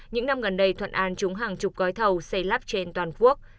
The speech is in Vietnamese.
những năm gần đây thuận an trúng hàng chục gói thầu xây lắp trên toàn quốc